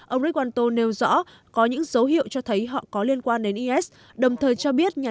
ông rich wanto nêu rõ có những dấu hiệu cho thấy họ có liên quan đến is đồng thời cho biết nhà